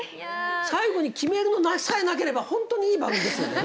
最後に決めるのさえなければ本当にいい番組ですよね。